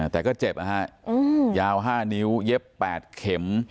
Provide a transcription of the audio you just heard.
แต่ก็เจ็บนะฮะยาว๕นิ้วเย็บ๘เข็ม